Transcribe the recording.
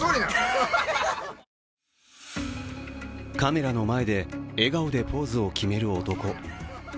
カメラの前で笑顔でポーズを決める男。